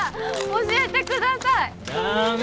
教えてください。だめ。